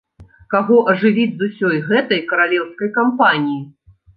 Каго ажывіць з усёй гэтай каралеўскай кампаніі?